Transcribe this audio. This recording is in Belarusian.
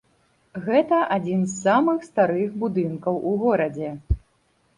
Гэта адзін з самых старых будынкаў у горадзе.